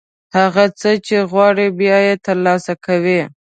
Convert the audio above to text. هغه څه چې غواړئ، بیا یې ترلاسه کوئ.